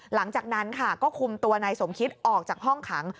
หลังจากนั้นค่ะก็คุมตัวนายสมคิตออกจากห้องขัง